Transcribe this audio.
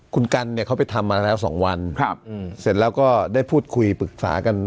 คุณกันเนี่ยเขาไปทำมาแล้ว๒วันเสร็จแล้วก็ได้พูดคุยปรึกษากัน